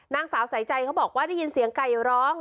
นางสาวสายใจเขาบอกว่าได้ยินเสียงไก่ร้อง